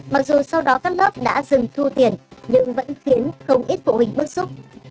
mặc dù sau đó các lớp đã dừng thu tiền nhưng vẫn khiến không ít phụ huynh bức xúc